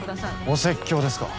お説教ですか。